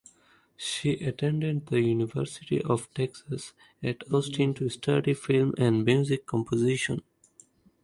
She attended the University of Texas at Austin to study film and music composition.